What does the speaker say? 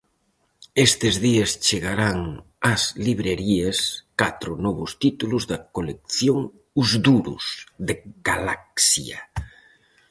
Estes días chegarán ás librerías catro novos títulos da colección "Os duros" de Galaxia.